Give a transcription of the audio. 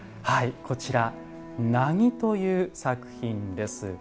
こちら「凪」という作品です。